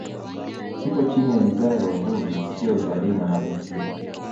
Kipo chini ya Wizara ya Uvuvi Sio Utalii na Maliasili